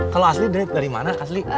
kalau asli dari mana